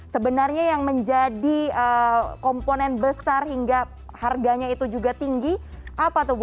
sebenarnya yang menjadi komponen besar hingga harganya itu juga tinggi apa tuh bu